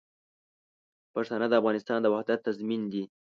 پښتانه د افغانستان د وحدت تضمین دي.